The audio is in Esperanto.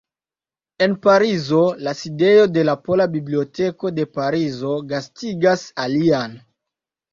En Francio, la sidejo de la Pola Biblioteko de Parizo gastigas alian.